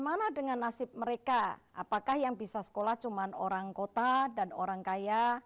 bagaimana dengan nasib mereka apakah yang bisa sekolah cuma orang kota dan orang kaya